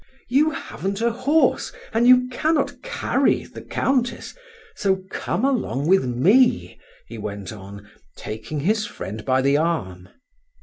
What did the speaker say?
You haven't a horse, and you cannot carry the Countess, so come along with me," he went on, taking his friend by the arm.